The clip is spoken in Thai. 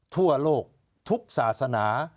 ทั่วโลกทุกศาสนา